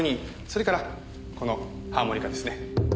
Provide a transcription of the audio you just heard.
それからこのハーモニカですね。